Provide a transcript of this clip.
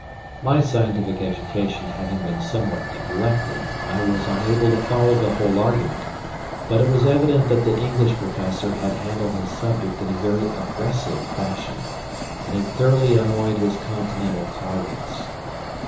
My scientific education having been somewhat neglected, I was unable to follow the whole argument, but it was evident that the English Professor had handled his subject in a very aggressive fashion, and had thoroughly annoyed his Continental colleagues.